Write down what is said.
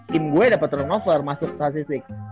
tim gua dapet turnover masuk statistik